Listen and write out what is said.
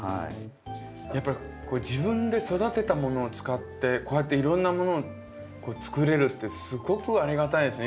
やっぱり自分で育てたものを使ってこうやっていろんなものを作れるってすごくありがたいですね。